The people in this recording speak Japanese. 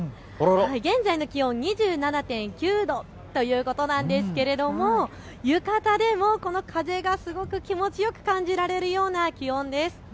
現在の気温、２７．９度ということなんですけれども浴衣でもこの風がすごく気持ちよく感じられるような気温です。